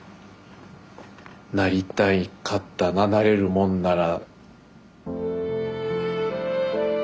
なりたいかったななれるもんなら。